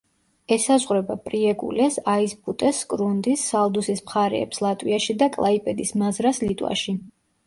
ესაზღვრება პრიეკულეს, აიზპუტეს, სკრუნდის, სალდუსის მხარეებს ლატვიაში და კლაიპედის მაზრას ლიტვაში.